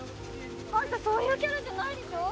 あんたそういうキャラじゃないでしょ？